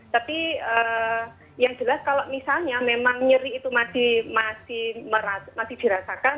tapi yang jelas kalau misalnya memang nyeri itu masih dirasakan